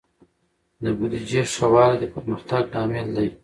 د بودیجې ښه والی د پرمختګ لامل دی.